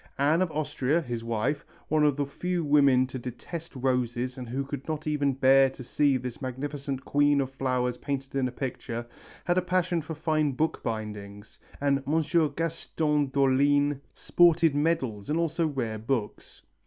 Anne of Austria, his wife, one of the few women to detest roses and who could not even bear to see this magnificent Queen of Flowers painted in a picture, had a passion for fine book bindings, and Monsieur Gaston d'Orléans sported medals and also rare books.